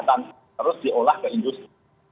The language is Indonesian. terus diolah ke industri